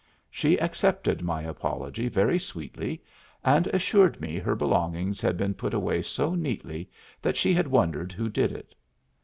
She accepted my apology very sweetly, and assured me her belongings had been put away so neatly that she had wondered who did it.